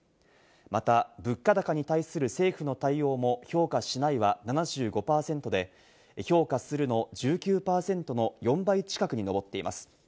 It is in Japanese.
また物価高に対する政府の対応も評価しないは７５％で、評価するの１９％の４倍近くにのぼっています。